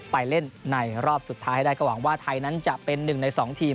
ไปเล่นในรอบสุดท้ายให้ได้ก็หวังว่าไทยนั้นจะเป็นหนึ่งในสองทีม